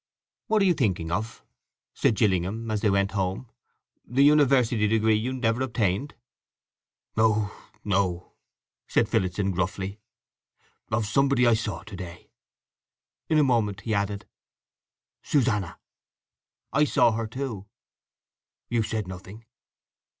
"What are you thinking of?" said Gillingham, as they went home. "The university degree you never obtained?" "No, no," said Phillotson gruffly. "Of somebody I saw to day." In a moment he added, "Susanna." "I saw her, too." "You said nothing."